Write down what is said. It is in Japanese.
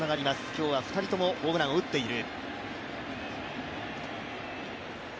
今日は２人ともホームランを打っている。